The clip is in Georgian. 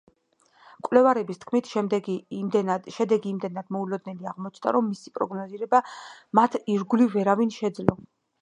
მკვლევარების თქმით, შედეგი იმდენად მოულოდნელი აღმოჩნდა, რომ მისი პროგნოზირება მათ ირგვლივ ვერავინ შესძლო.